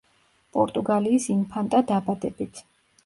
პორტუგალიის ინფანტა დაბადებით.